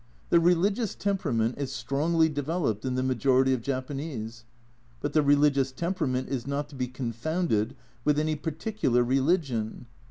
The religious temperament is strongly developed in the majority of Japanese. But the religious temperament is not to be confounded with any particular religion.